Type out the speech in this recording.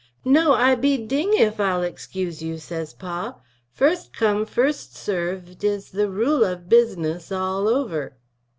No I be ding if Ile igscuse you says Pa, 1st come 1st served is the rool of bizness all over.